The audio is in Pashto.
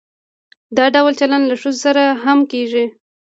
دا ډول چلند له ښځو سره هم کیږي.